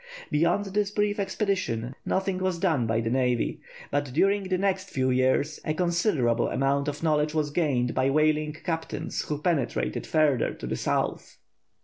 Beyond this brief expedition nothing was done by the Navy, but during the next few years a considerable amount of knowledge was gained by whaling captains who penetrated further to the south.